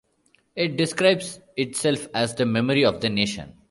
It describes itself as the memory of the nation.